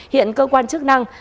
hiện cơ quan chức năng